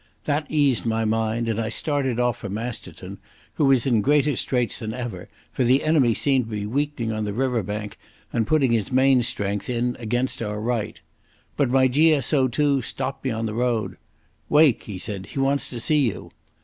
That eased my mind, and I started off for Masterton, who was in greater straits than ever, for the enemy seemed to be weakening on the river bank and putting his main strength in against our right.... But my G.S.O.2 stopped me on the road. "Wake," he said. "He wants to see you."